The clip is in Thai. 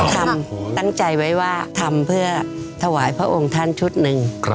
ทำตั้งใจไว้ว่าทำเพื่อถวายพระองค์ท่านชุดหนึ่ง